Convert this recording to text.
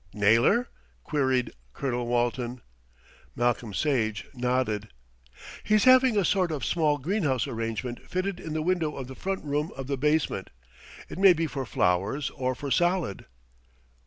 "Naylor?" queried Colonel Walton. Malcolm Sage nodded. "He's having a sort of small greenhouse arrangement fitted in the window of the front room of the basement. It may be for flowers or for salad."